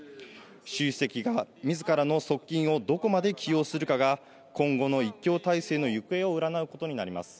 習主席がみずからの側近をどこまで起用するかが、今後の一強体制の行方を占うことになります。